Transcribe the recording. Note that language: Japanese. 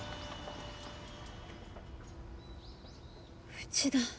うちだ。